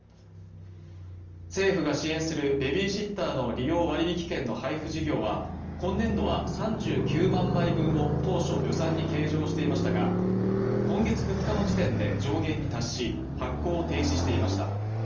政府が支援するベビーシッターの利用割引券の配布事業は今年度は３９万枚分を当初予算に計上していましたが今月２日の時点で上限に達し発行を停止していました